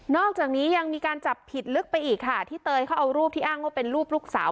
อกจากนี้ยังมีการจับผิดลึกไปอีกค่ะที่เตยเขาเอารูปที่อ้างว่าเป็นรูปลูกสาว